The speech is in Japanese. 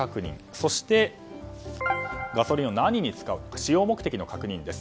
そして、ガソリンを何に使うか使用目的の確認です。